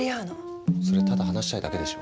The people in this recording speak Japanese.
それただ話したいだけでしょ。